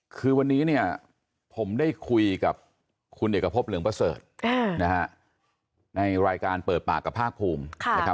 คือวันนี้เนี่ยผมได้คุยกับคุณเอกพบเหลืองประเสริฐในรายการเปิดปากกับภาคภูมินะครับ